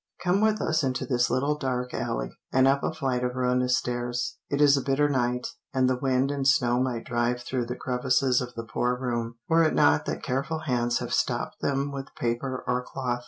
Come with us into this little dark alley, and up a flight of ruinous stairs. It is a bitter night, and the wind and snow might drive through the crevices of the poor room, were it not that careful hands have stopped them with paper or cloth.